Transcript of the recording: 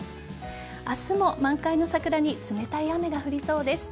明日も満開の桜に冷たい雨が降りそうです。